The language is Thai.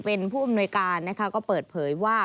เป็นผู้อำนวยการนะคะก็เปิดเผยว่า